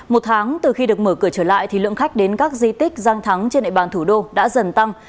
một tháng từ khi được mở cửa trở lại thì lượng khách đến các di tích danh thắng trên địa bàn thủ đô đã dần tăng